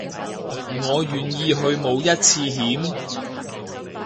我願意去冒一次險